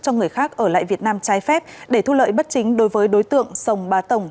cho người khác ở lại việt nam trái phép để thu lợi bất chính đối với đối tượng sông ba tổng